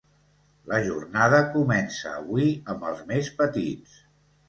La jornada comença avui amb els més petits.